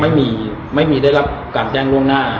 ไม่มีไม่มีได้รับการแจ้งล่วงหน้า